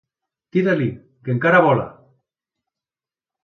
Tira-li, que encara vola!